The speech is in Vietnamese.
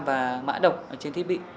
và mã độc ở trên thiết bị